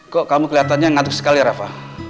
kok kamu kelihatannya ngantuk sekali ya rafa